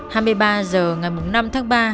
hai mươi ba h ngày năm tháng ba